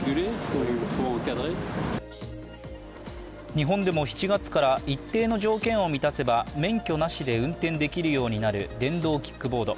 日本でも７月から一定の条件を満たせば免許なしで運転できるようになる電動キックボード。